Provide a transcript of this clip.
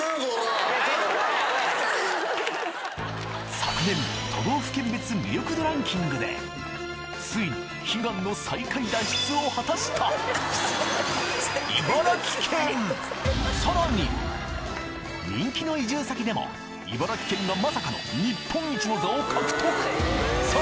昨年都道府県別魅力度ランキングで遂に悲願の最下位脱出を果たした人気の移住先でも茨城県がまさかの日本一の座を獲得！